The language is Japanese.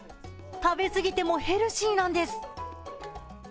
食べ過ぎてもヘルシーなんです。